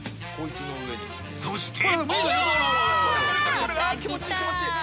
［そして］